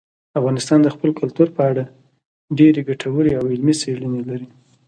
افغانستان د خپل کلتور په اړه ډېرې ګټورې او علمي څېړنې لري.